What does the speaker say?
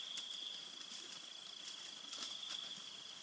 ที่เหมือน